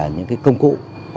những công cụ